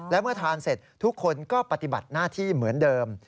และเมื่อทานเสร็จทุกคนก็ปฏิบัติหน้าที่เหมือนเดิม